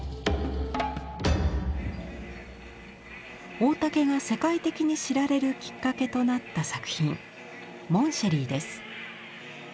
大竹が世界的に知られるきっかけとなった作品「モンシェリー」です。